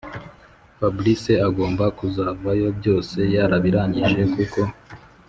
fabric agomba kuzavayo byose yarabirangije kuko